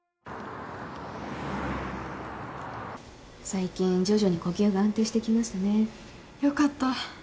最近徐々に呼吸が安定してきましたね。よかった。